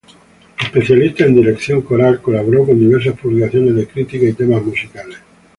Especialista en dirección coral, colaboró con diversas publicaciones de crítica y temas musicales.